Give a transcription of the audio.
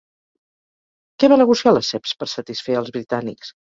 Què va negociar Lesseps per satisfer als britànics?